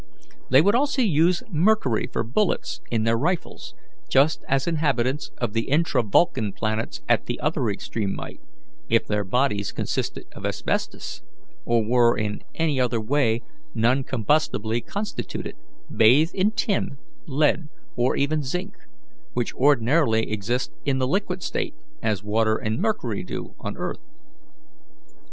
They would also use mercury for bullets in their rifles, just as inhabitants of the intra Vulcan planets at the other extreme might, if their bodies consisted of asbestos, or were in any other way non combustibly constituted, bathe in tin, lead, or even zinc, which ordinarily exist in the liquid state, as water and mercury do on the earth.